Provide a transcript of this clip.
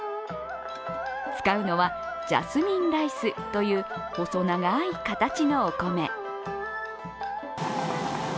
使うのはジャスミンライスという細長い形のお米。